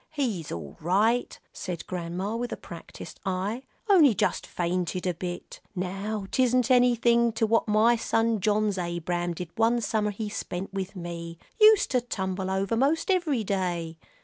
"He's all right," said Grandma, with a practised eye; "only just fainted a bit. Now 'tisn't anything to what my son John's Abram did one summer he spent with me. Used to tumble over most every day."